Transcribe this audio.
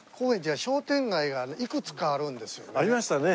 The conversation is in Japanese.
ありましたね。